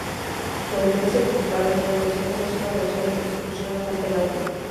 La diferencia principal entre las versiones es una canción de percusión alternativa.